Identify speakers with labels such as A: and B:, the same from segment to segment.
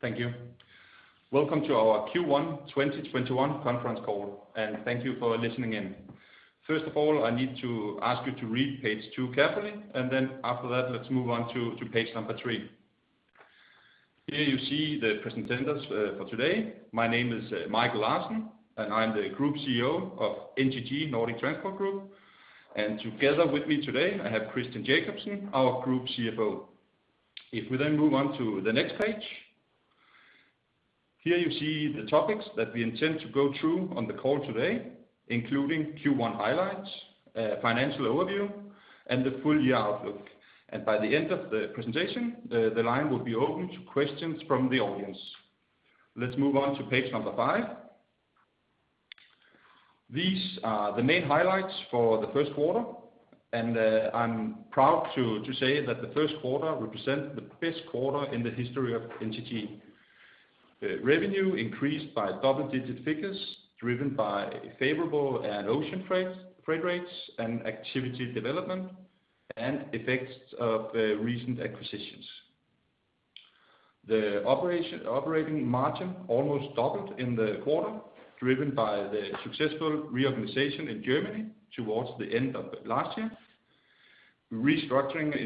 A: Thank you. Welcome to our Q1 2021 conference call, and thank you for listening in. First of all, I need to ask you to read page two carefully. Then after that, let's move on to page number three. Here you see the presenters for today. My name is Michael Larsen, and I'm the Group CEO of NTG Nordic Transport Group. Together with me today, I have Christian D. Jakobsen, our Group CFO. If we move on to the next page. Here you see the topics that we intend to go through on the call today, including Q1 highlights, financial overview, and the full-year outlook. By the end of the presentation, the line will be open to questions from the audience. Let's move on to page number five. These are the main highlights for the first quarter, and I'm proud to say that the 1st quarter represents the best quarter in the history of NTG. Revenue increased by double-digit figures driven by favorable Air & Ocean freight rates and activity development and effects of recent acquisitions. The operating margin almost doubled in the quarter, driven by the successful reorganization in Germany towards the end of last year. Restructuring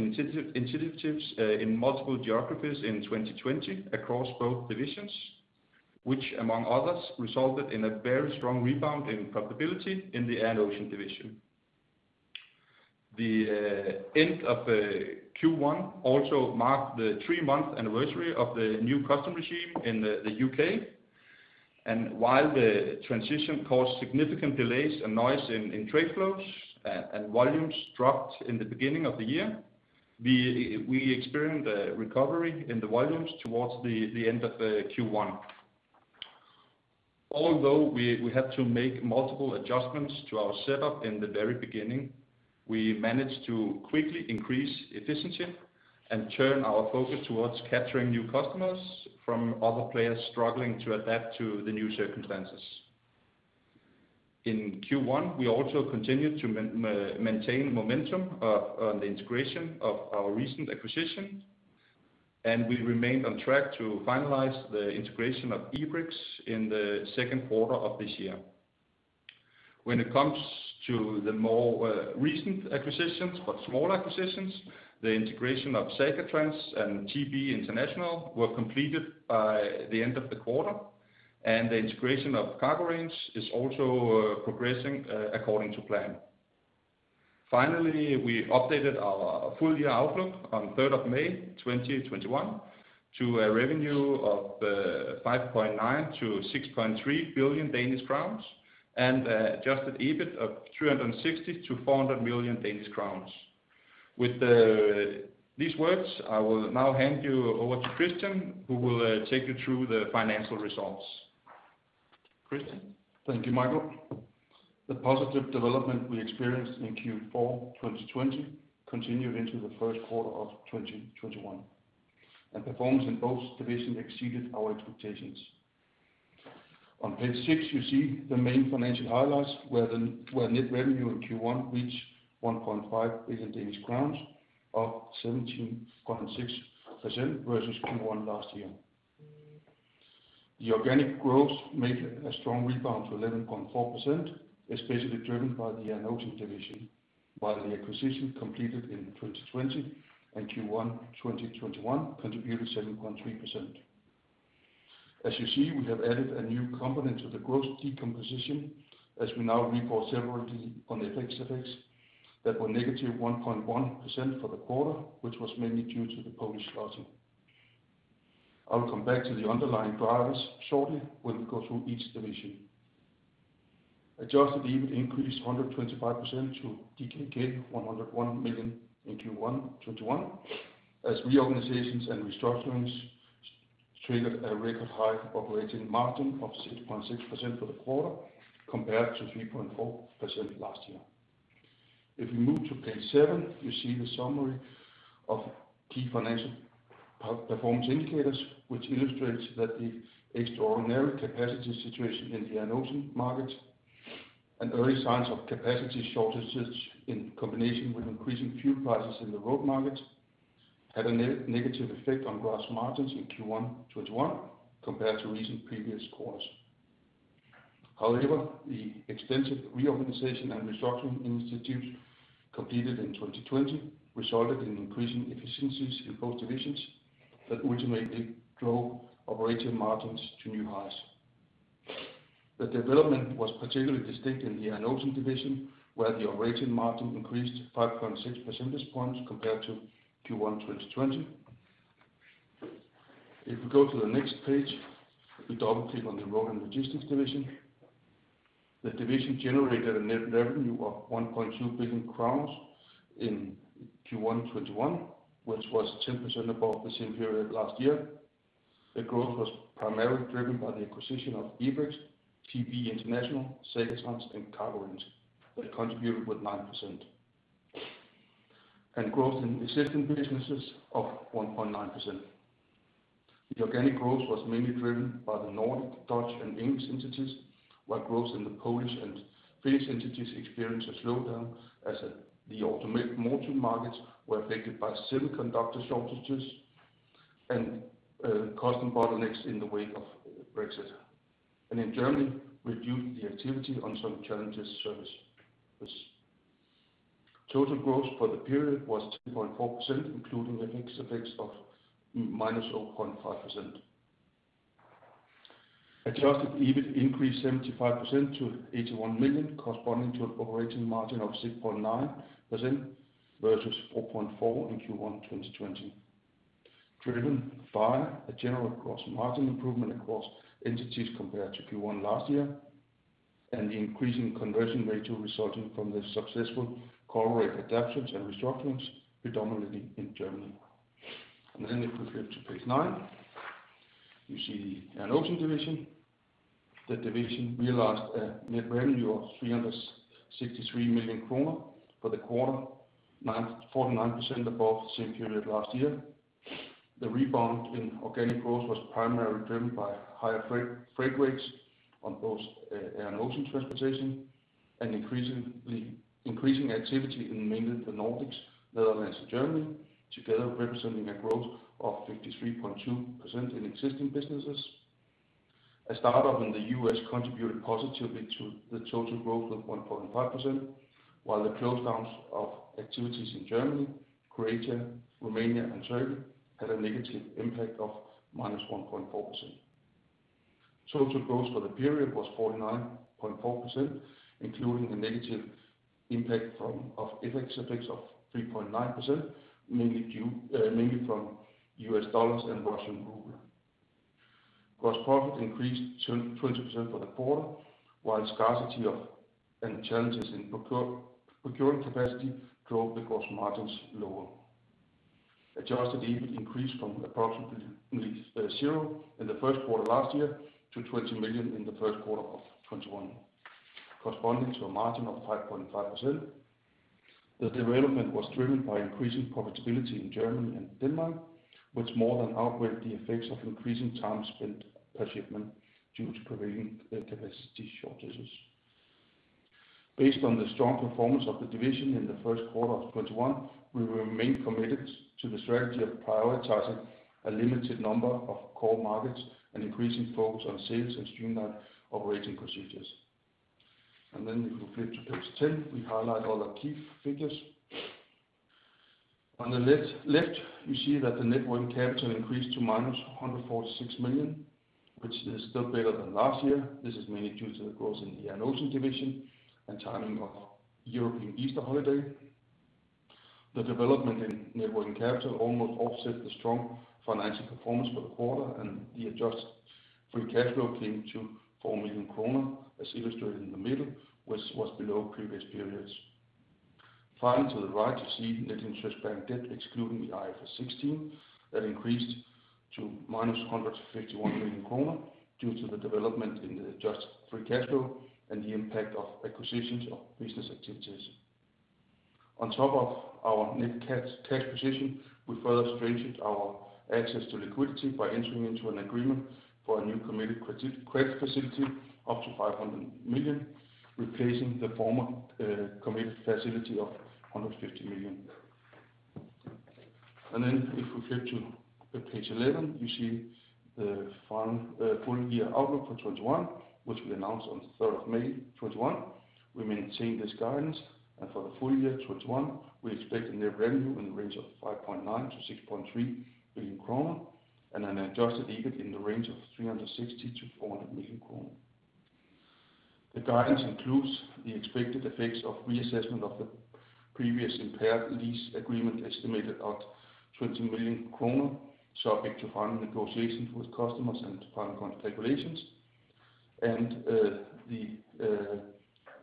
A: initiatives in multiple geographies in 2020 across both divisions, which among others, resulted in a very strong rebound in profitability in the Air & Ocean division. The end of Q1 also marked the three-month anniversary of the new customs regime in the U.K., and while the transition caused significant delays and noise in trade flows and volumes dropped in the beginning of the year, we experienced a recovery in the volumes towards the end of Q1. Although we had to make multiple adjustments to our setup in the very beginning, we managed to quickly increase efficiency and turn our focus towards capturing new customers from other players struggling to adapt to the new circumstances. In Q1, we also continued to maintain momentum on the integration of our recent acquisition, and we remained on track to finalize the integration of Ebrex in the second quarter of this year. When it comes to the more recent acquisitions, but small acquisitions, the integration of Saga Trans and TB International GmbH were completed by the end of the quarter, and the integration of Cargorange is also progressing according to plan. Finally, we updated our full-year outlook on 3rd of May 2021 to a revenue of 5.9 billion-6.3 billion Danish crowns and adjusted EBIT of 360 million-400 million Danish crowns. With these words, I will now hand you over to Christian, who will take you through the financial results. Christian?
B: Thank you, Michael. The positive development we experienced in Q4 2020 continued into the first quarter of 2021, and performance in both divisions exceeded our expectations. On page six, you see the main financial highlights where net revenue in Q1 reached 1.5 billion Danish crowns, up 17.6% versus Q1 last year. The organic growth made a strong rebound to 11.4%, especially driven by the Air & Ocean division, while the acquisition completed in 2020 and Q1 2021 contributed 7.3%. As you see, we have added a new component to the growth decomposition as we now report separately on FX effects that were negative 1.1% for the quarter, which was mainly due to the Polish zloty. I will come back to the underlying drivers shortly when we go through each division. Adjusted EBIT increased 125% to DKK 101 million in Q1 2021 as reorganizations and restructurings triggered a record high operating margin of 6.6% for the quarter compared to 3.4% last year. If we move to page seven, you see the summary of key financial performance indicators, which illustrates that the extraordinary capacity situation in the Air & Ocean markets and early signs of capacity shortages in combination with increasing fuel prices in the road markets had a negative effect on gross margins in Q1 2021 compared to recent previous quarters. The extensive reorganization and restructuring initiatives completed in 2020 resulted in increasing efficiencies in both divisions that ultimately drove operating margins to new highs. The development was particularly distinct in the Air & Ocean division, where the operating margin increased 5.6 percentage points compared to Q1 2020. If we go to the next page, we double-click on the Road & Logistics division. The division generated a net revenue of 1.2 billion crowns in Q1 2021, which was 10% above the same period last year. The growth was primarily driven by the acquisition of Ebrex, TB International, Saga Trans and Cargorange that contributed with 9%. Growth in existing businesses of 1.9%. The organic growth was mainly driven by the Nordic, Dutch, and English entities, while growth in the Polish and Finnish entities experienced a slowdown as the automotive markets were affected by semiconductor shortages and causing bottlenecks in the wake of Brexit. In Germany, reduced the activity on some challenged services. Total growth for the period was 10.4%, including the FX effects of -0.5%. Adjusted EBIT increased 75% to 81 million, corresponding to an operating margin of 6.9% versus 4.4% in Q1 2020, driven by a general gross margin improvement across entities compared to Q1 last year, and the increasing conversion ratio resulting from the successful corporate adaptations and restructurings, predominantly in Germany. If we flip to page nine, you see the Air & Ocean division. The division realized a net revenue of 363 million kroner for the quarter, 49% above the same period last year. The rebound in organic growth was primarily driven by higher freight rates on both Air & Ocean transportation and increasing activity in mainly the Nordics, Netherlands, and Germany, together representing a growth of 53.2% in existing businesses. A startup in the U.S. contributed positively to the total growth of 1.5%, while the close down of activities in Germany, Croatia, Romania, and Turkey had a negative impact of -1.4%. Total growth for the period was 49.4%, including a negative impact of FX effects of 3.9%, mainly from US dollars and Russian ruble. Gross profit increased 20% for the quarter, while scarcity of, and challenges in procuring capacity drove the gross margins lower. Adjusted EBIT increased from approximately zero in the first quarter last year to 20 million in the first quarter of 2021, corresponding to a margin of 5.5%. The development was driven by increasing profitability in Germany and Denmark, which more than outweighed the effects of increasing time spent per shipment due to prevailing capacity shortages. Based on the strong performance of the division in the first quarter of 2021, we remain committed to the strategy of prioritizing a limited number of core markets and increasing focus on sales and streamline operating procedures. If we flip to page 10, we highlight all our key figures. On the left, you see that the net working capital increased to -146 million, which is still better than last year. This is mainly due to the growth in the Air & Ocean division and timing of European Easter holiday. The development in net working capital almost offset the strong financial performance for the quarter, the adjusted free cash flow came to 4 million kroner, as illustrated in the middle, which was below previous periods. To the right, you see net interest-bearing debt, excluding IFRS 16, that increased to -151 million kroner due to the development in the adjusted free cash flow and the impact of acquisitions of business activities. On top of our net cash position, we further strengthened our access to liquidity by entering into an agreement for a new committed credit facility up to 500 million, replacing the former committed facility of 150 million. If we flip to page 11, you see the full year outlook for 2021, which we announced on the 3rd of May 2021. We maintain this guidance, and for the full year 2021, we expect net revenue in the range of 5.9 billion-6.3 billion kroner and an adjusted EBIT in the range of 360 million-400 million kroner. The guidance includes the expected effects of reassessment of the previous impaired lease agreement, estimated at 20 million kroner, subject to final negotiations with customers and final configurations, and the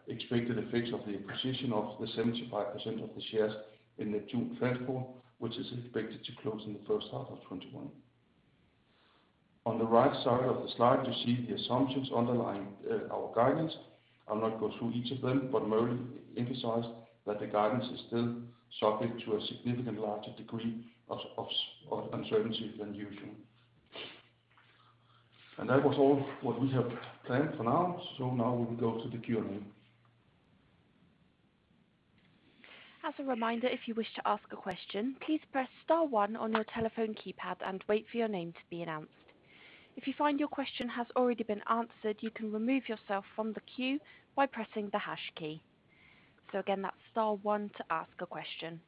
B: expected effects of the acquisition of the 75% of the shares in the AGL Transport, which is expected to close in the first half of 2021. On the right side of the slide, you see the assumptions underlying our guidance. I'll not go through each of them, but merely emphasize that the guidance is still subject to a significantly larger degree of uncertainty than usual. That was all what we have planned for now. Now we'll go to the Q&A.
C: As a reminder, if you wish to ask a question, please press star one on your telephone keypad and wait for your name to be announced. If you find your question has already been answered, you can remove yourself from the queue by pressing the hash key. Again, that's star one to ask a question.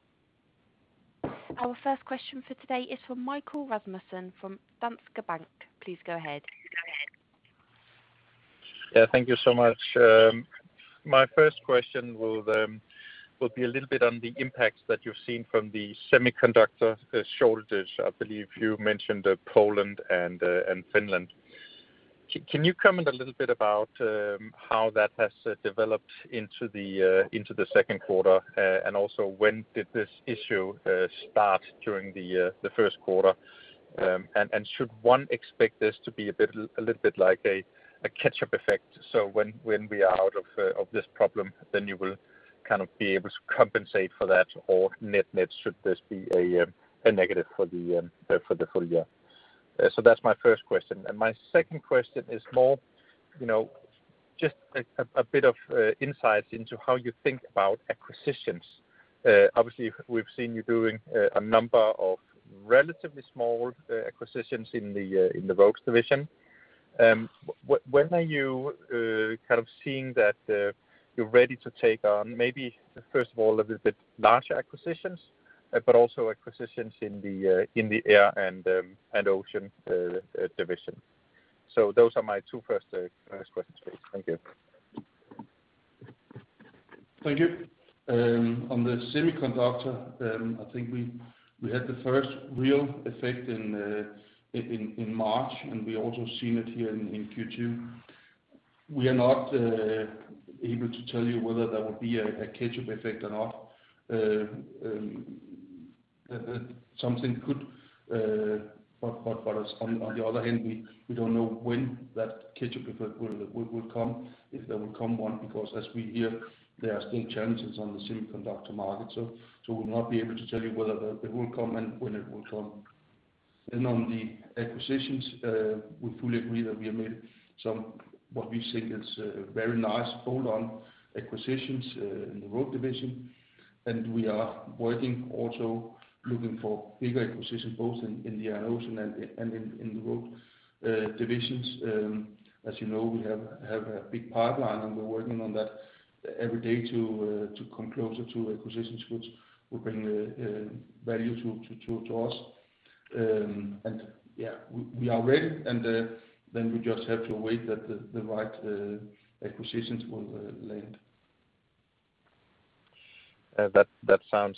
C: Our first question for today is from Michael Rasmussen from Danske Bank. Please go ahead.
D: Yeah, thank you so much. My first question will be a little bit on the impact that you've seen from the semiconductor shortages. I believe you mentioned Poland and Finland. Can you comment a little bit about how that has developed into the second quarter? When did this issue start during the first quarter? Should one expect this to be a little bit like a catch-up effect? When we are out of this problem, then you will kind of be able to compensate for that, or net/net, should this be a negative for the full year? That's my first question. My second question is more just a bit of insight into how you think about acquisitions. Obviously, we've seen you doing a number of relatively small acquisitions in the Road Division. When are you seeing that you're ready to take on maybe, first of all, a little bit larger acquisitions, but also acquisitions in the Air & Ocean division. Those are my two first questions. Thank you.
A: Thank you. On the semiconductor, I think we had the first real effect in March, and we also seen it here in Q2. We are not able to tell you whether there will be a catch-up effect or not. Something could, but on the other hand, we don't know when that catch-up effect will come, if there will come one, because as we hear, there are still challenges on the semiconductor market. We'll not be able to tell you whether it will come and when it will come. On the acquisitions, we fully agree that we have made some, what we think is very nice add-on acquisitions in the Road division, and we are working also looking for bigger acquisition, both in the Air and Ocean and in the Road divisions. As you know, we have a big pipeline, and we're working on that every day to come closer to acquisitions which will bring value to us. Yeah, we are ready, and then we just have to wait that the right acquisitions will land.
D: That sounds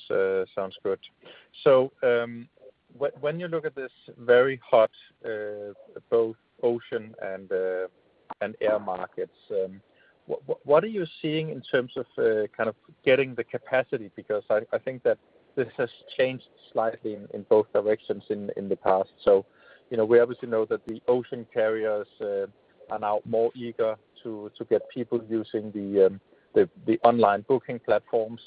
D: good. When you look at this very hot both Ocean and Air markets, what are you seeing in terms of getting the capacity? Because I think that this has changed slightly in both directions in the past. We obviously know that the ocean carriers are now more eager to get people using the online booking platforms.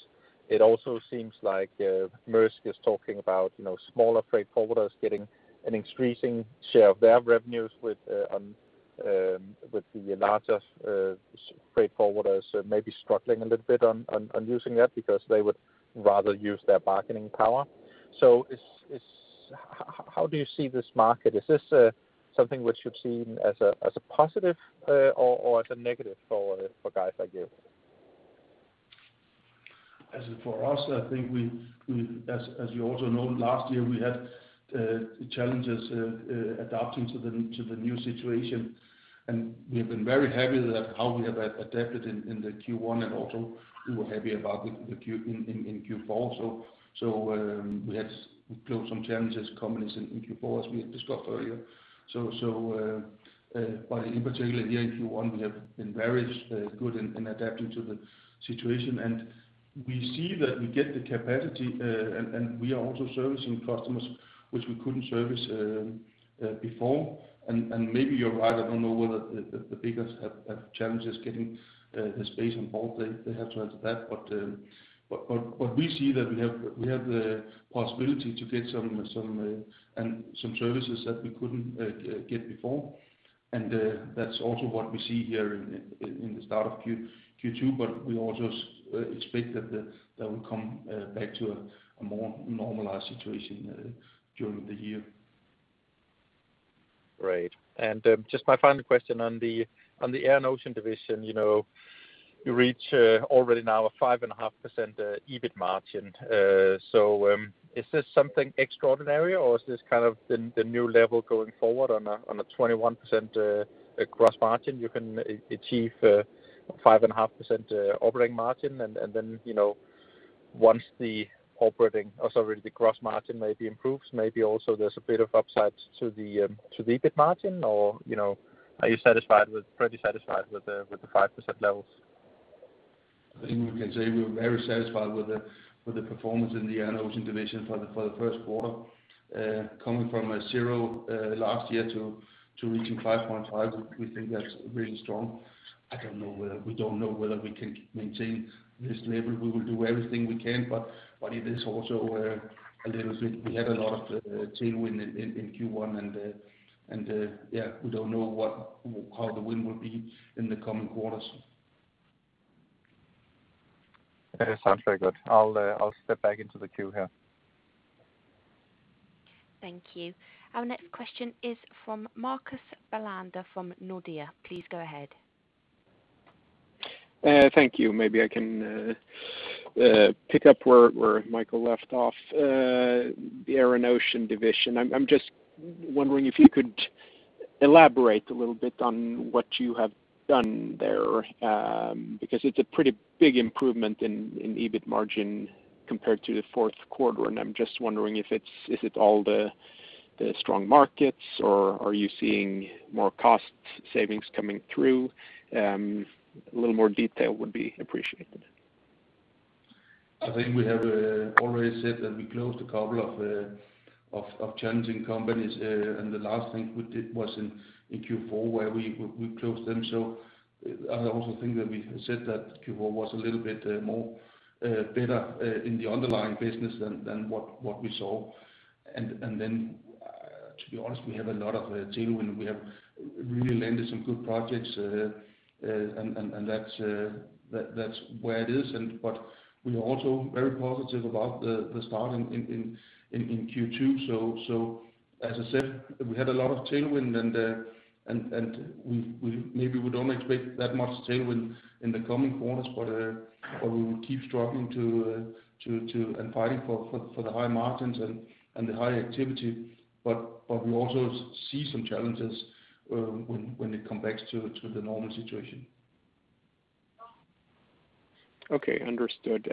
D: It also seems like Maersk is talking about smaller freight forwarders getting an increasing share of their revenues with the larger freight forwarders maybe struggling a little bit on using that because they would rather use their bargaining power. How do you see this market? Is this something which you've seen as a positive or as a negative for (guys like you)?
A: As for us, I think as you also know, last year, we had challenges adapting to the new situation. We have been very happy with how we have adapted in the Q1 and also we were happy about it in Q4. We had closed some challenges coming into Q4, as we discussed earlier. In particular, in Q1, we have been very good in adapting to the situation. We see that we get the capacity, and we are also servicing customers which we couldn't service before. Maybe you're right, I don't know whether the biggest challenge is getting the space involved. They have to answer that. We see that we have the possibility to get some services that we couldn't get before. That's also what we see here in the start of Q2, but we also expect that that will come back to a more normalized situation during the year.
D: Great. Just my final question on the Air & Ocean division. You reach already now a 5.5% EBIT margin. Is this something extraordinary, or is this kind of the new level going forward on a 21% gross margin you can achieve a 5.5% operating margin and then once the operating, or sorry, the gross margin maybe improves, maybe also there is a bit of upside to the EBIT margin or are you satisfied with pretty satisfied with the 5% levels?
A: I think we can say we're very satisfied with the performance in the Air & Ocean division for the first quarter. Coming from zero last year to reaching 5.5%, we think that's really strong. We don't know whether we can maintain this level. We will do everything we can, we had a lot of tailwind in Q1, yeah, we don't know how the wind will be in the coming quarters.
D: Sounds very good. I'll step back into the queue here.
C: Thank you. Our next question is from Mikkel Emil Jensen from Nordea. Please go ahead.
E: Thank you. Maybe I can pick up where Michael Larsen left off. Air & Ocean division. I'm just wondering if you could elaborate a little bit on what you have done there, because it's a pretty big improvement in EBIT margin compared to the fourth quarter, I'm just wondering if it's all the strong markets, or are you seeing more cost savings coming through? A little more detail would be appreciated.
A: I think we have already said that we closed a couple of challenging companies, and the last thing we did was in Q4 where we closed them. I also think that we said that Q4 was a little bit more better in the underlying business than what we saw. To be honest, we have a lot of tailwind. We have really landed some good projects, and that's where it is. We're also very positive about the starting in Q2. As I said, we had a lot of tailwind, and maybe we don't expect that much tailwind in the coming quarters, but we will keep striving and fighting for the high margins and the high activity. We also see some challenges when it comes back to the normal situation.
E: Okay. Understood.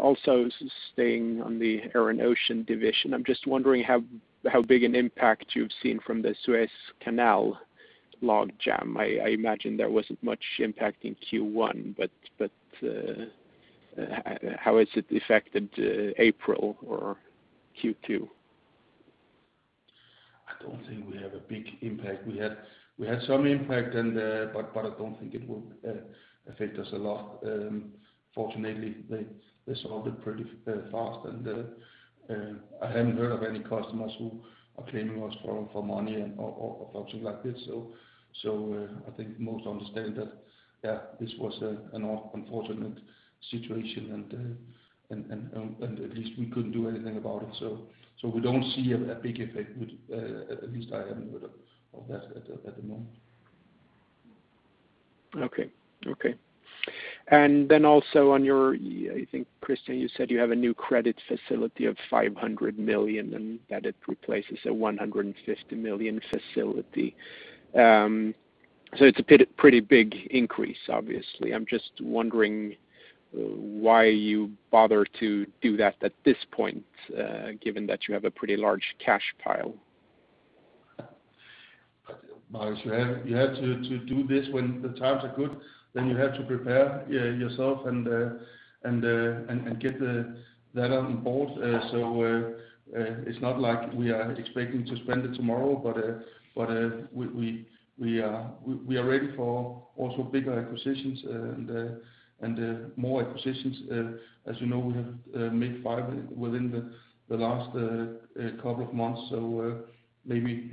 E: Also staying on the Air & Ocean division, I'm just wondering how big an impact you've seen from the Suez Canal logjam. I imagine there wasn't much impact in Q1, but how has it affected April or Q2?
A: I don't think we have a big impact. We had some impact, but I don't think it will affect us a lot. Fortunately, they solved it pretty fast, and I haven't heard of any customers who are claiming us for money or something like this. I think most understand that, yeah, this was an unfortunate situation, and at least we couldn't do anything about it. We don't see a big effect, at least I haven't heard of that at the moment.
E: Okay. I think, Christian, you said you have a new credit facility of 500 million, and that it replaces a 150 million facility. It's a pretty big increase, obviously. I'm just wondering why you bother to do that at this point, given that you have a pretty large cash pile.
B: You have to do this when the times are good. You have to prepare yourself and get that on board. It's not like we are expecting to spend it tomorrow, but we are ready for also bigger acquisitions and more acquisitions. As you know, we have made five within the last couple of months. Maybe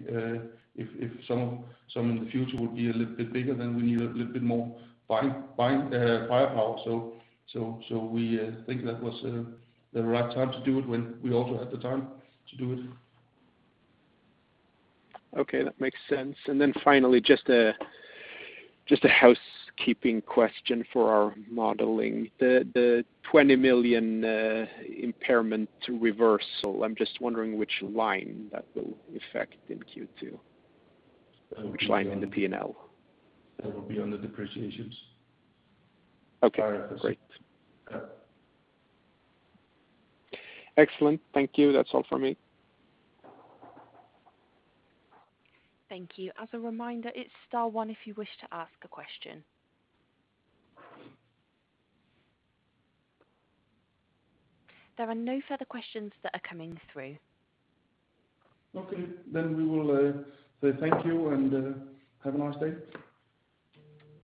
B: if some in the future will be a little bit bigger, then we need a little bit more firepower. We think that was the right time to do it when we also had the time to do it.
E: Okay, that makes sense. Finally, just a housekeeping question for our modeling. The 20 million impairment reversal, I'm just wondering which line that will affect in Q2, which line in the P&L.
B: That will be under depreciations.
E: Okay, great.
B: Yeah.
E: Excellent. Thank you. That's all for me.
C: Thank you. As a reminder, it's star one if you wish to ask a question. There are no further questions that are coming through.
A: Okay. We will say thank you and have a nice day.